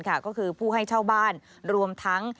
ก็คือผู้ให้เช่าบ้านรวมทั้ง